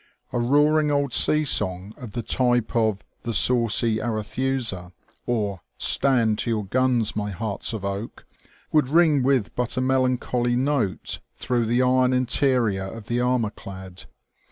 A roaring old sea song of the type of the '* Saucy Arethusa," or " Stand to your guns, my hearts of oak," would ring with but a melancholy note through the iron interior of the armourclad.